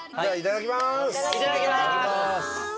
いただきます！